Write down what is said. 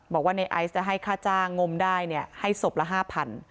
บอกว่าในไอซ์จะให้ค่าจ้างงมได้ให้ศพละ๕๐๐